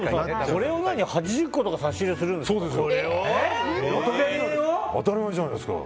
これを８０個とか差し入れするんですか。